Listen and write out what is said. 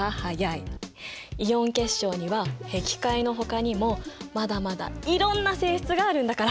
イオン結晶にはへき開のほかにもまだまだいろんな性質があるんだから！